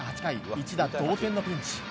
一打同点のピンチ。